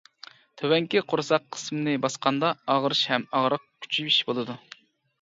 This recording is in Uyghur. تۆۋەنكى قورساق قىسمىنى باسقاندا ئاغرىش ھەم ئاغرىق كۈچىيىش بولىدۇ.